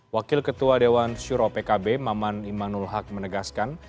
wakil ketua dewan syuro pkb maman imanul haq menegaskan